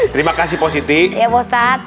terima kasih pak ustadz